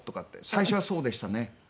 最初はそうでしたね。